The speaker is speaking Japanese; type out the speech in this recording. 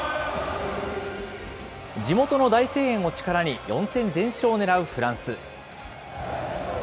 地元の大声援を力に、４戦全勝を狙うフランス。